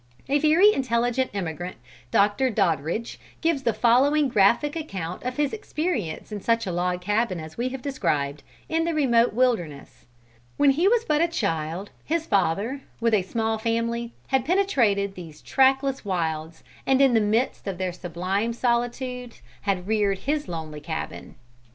A very intelligent emigrant, Dr. Doddridge, gives the following graphic account of his experience in such a log cabin as we have described, in the remote wilderness. When he was but a child, his father, with a small family, had penetrated these trackless wilds, and in the midst of their sublime solitudes had reared his lonely cabin.